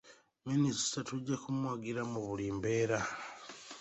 Minisita tujja kumuwagira mu buli mbeera.